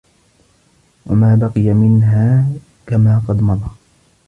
وَمَا بَقِيَ مِنْهَا كَمَا قَدْ مَضَى